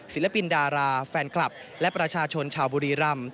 ศิลปินดาราแฟนคลับและประชาชนชาวบุรีรำ